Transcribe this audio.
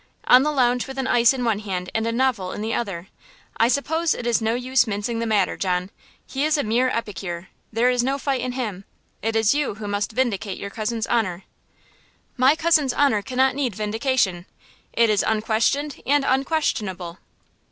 "On the lounge with an ice in one hand and a novel in the other! I suppose it is no use mincing the matter, John–he is a–mere epicure–there is no fight in him! It is you who must vindicate your cousin's honor!" "My cousin's honor cannot need vindication! It is unquestioned and unquestionable!"